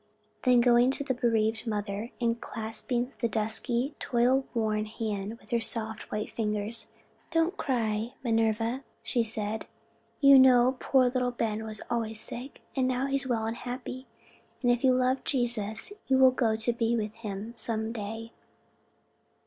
Then going to the bereaved mother, and clasping the dusky, toil worn hand with her soft, white fingers, "Don't cry, Minerva," she said, "you know poor little Ben was always sick, and now he is well and happy. And if you love Jesus, you will go to be with him again some day."